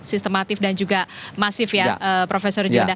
sistematif dan juga masif ya profesor juanda